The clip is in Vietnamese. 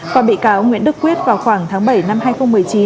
qua bị cáo nguyễn đức quyết vào khoảng tháng bảy năm hai nghìn một mươi chín